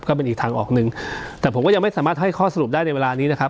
ก็เป็นอีกทางออกหนึ่งแต่ผมก็ยังไม่สามารถให้ข้อสรุปได้ในเวลานี้นะครับ